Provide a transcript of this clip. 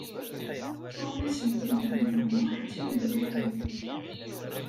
Tuɣmas n Tinhinan u Muḥ d timellalin.